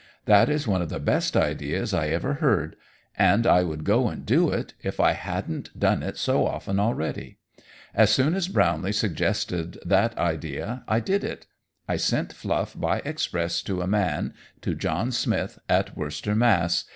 "That is one of the best ideas I ever heard, and I would go and do it if I hadn't done it so often already. As soon as Brownlee suggested that idea I did it. I sent Fluff by express to a man to John Smith at Worcester, Mass.